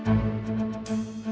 dek aku mau ke sana